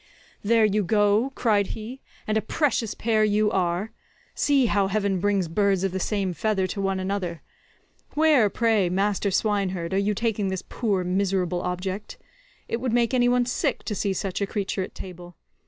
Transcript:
"There you go," cried he, "and a precious pair you are. See how heaven brings birds of the same feather to one another. Where, pray, master swineherd, are you taking this poor miserable object? It would make any one sick to see such a creature at table.